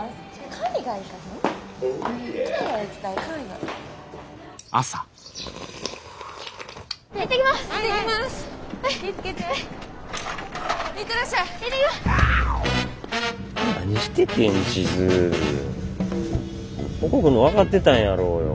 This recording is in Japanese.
ここ来んの分かってたんやろよ。